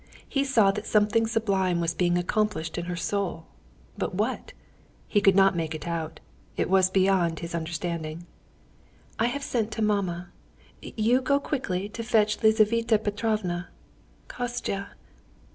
He saw that something sublime was being accomplished in her soul, but what? He could not make it out. It was beyond his understanding. "I have sent to mamma. You go quickly to fetch Lizaveta Petrovna ... Kostya!...